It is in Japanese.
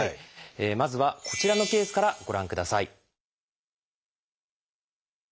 まずはこちらのケースからご覧ください。